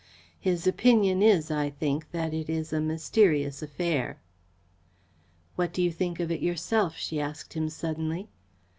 His opinion is, I think, that it is a mysterious affair." "What do you think of it yourself?" she asked him suddenly.